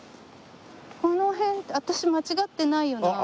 この辺私間違ってないよな？